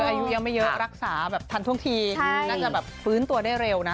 อายุยังไม่เยอะรักษาแบบทันท่วงทีน่าจะแบบฟื้นตัวได้เร็วนะ